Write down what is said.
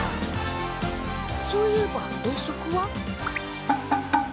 そういえば遠足は？